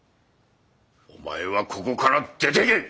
お前はここから出ていけ！